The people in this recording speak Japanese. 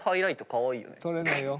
取れないよ。